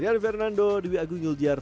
dengan nama fernando di wi agung yuljiar